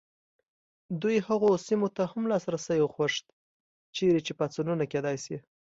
دوی هغو سیمو ته هم لاسرسی غوښت چیرې چې پاڅونونه کېدای شي.